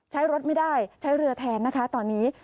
ใช้รถไม่ได้ใช้เรือแทนนะคะตอนนี้